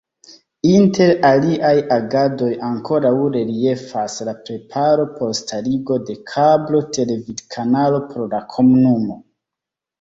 Inter aliaj agadoj ankoraŭ reliefas la preparo por starigo de kablo-televidkanalo por la komunumo.